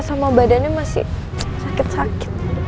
sama badannya masih sakit sakit